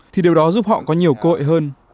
thì điều đó giúp họ có nhiều cơ hội hơn